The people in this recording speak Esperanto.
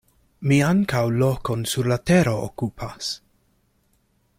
Mi ankaŭ lokon sur la tero okupas.